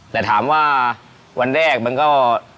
แต่ถามว่าวันแรกมันก็